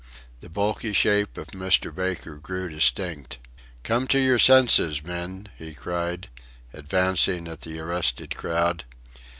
The bulky shape of Mr. Baker grew distinct. "Come to your senses, men!" he cried, advancing at the arrested crowd.